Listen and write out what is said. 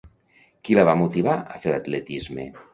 Qui la va motivar a fer atletisme?